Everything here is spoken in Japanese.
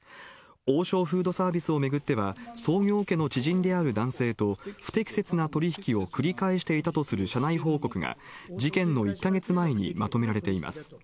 王将フードサービスを巡っては、創業家の知人である男性と、不適切な取り引きを繰り返していたとする社内報告が、事件の１か月前にまとめられています。